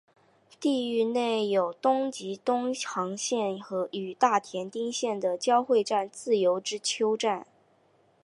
地域内有东急东横线与大井町线的交会站自由之丘站。